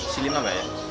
silima gak ya